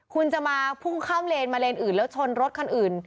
คุณจะมาพุ่งข้ามเลนมาเลนอื่นแล้วชนรถคันอื่น